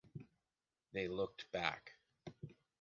They looked back.